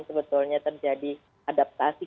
sebetulnya terjadi adaptasi